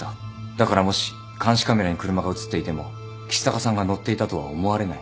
だからもし監視カメラに車がうつっていても橘高さんが乗っていたとは思われない。